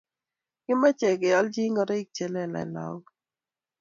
kimeche kealchi ngoroik che lelach lagok